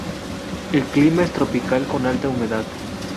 El clima es tropical con alta humedad.